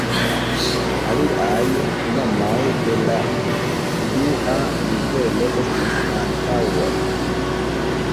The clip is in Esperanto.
Aliaj nomoj de la dua nivelo estis antaŭe.